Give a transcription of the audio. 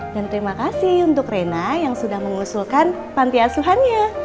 dan terima kasih untuk rena yang sudah mengusulkan pantiasuhannya